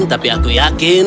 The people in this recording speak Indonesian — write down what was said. tapi aku yakin